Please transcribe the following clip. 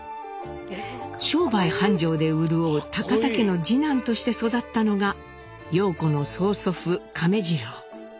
商売繁盛で潤う田家の次男として育ったのが陽子の曽祖父亀治郎。